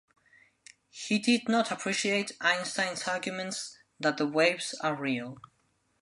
He did not appreciate Einstein's arguments that the waves are real.